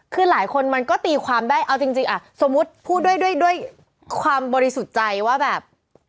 คือหลายคนมันก็ตีความได้เอาจริงสมมุติพูดด้วยด้วยความบริสุทธิ์ใจว่าแบบ